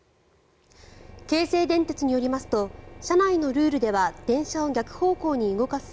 京成電鉄によりますと社内のルールでは電車を逆方向に動かす